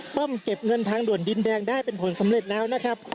ป้อมเก็บเงินทางด่วนดินแดงได้เป็นผลสำเร็จแล้วนะครับ